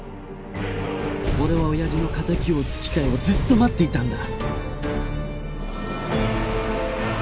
俺は親父の仇を討つ機会をずっと待っていたんだ！！